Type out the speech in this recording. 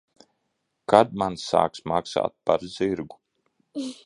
Kad man sāks maksāt par zirgu?